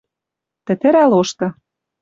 ТӸТӸРӒ ЛОШТЫ